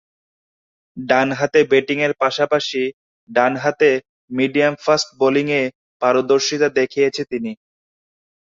ডানহাতে ব্যাটিংয়ের পাশাপাশি ডানহাতে মিডিয়াম-ফাস্ট বোলিংয়ে পারদর্শীতা দেখিয়েছেন তিনি।